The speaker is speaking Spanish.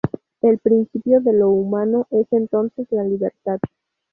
El principio de lo humano es entonces la libertad.